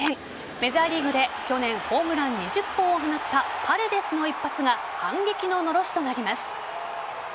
メジャーリーグで去年、ホームラン２０本を放ったパレデスの一発が反撃ののろしとなります。